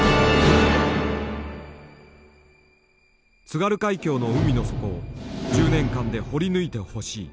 「津軽海峡の海の底を１０年間で掘り抜いてほしい」。